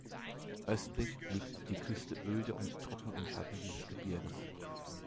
Östlich liegt die Küste öde und trocken im Schatten dieses Gebirges.